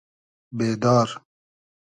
بېدار